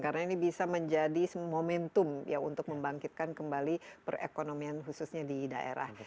karena ini bisa menjadi momentum ya untuk membangkitkan kembali perekonomian khususnya di daerah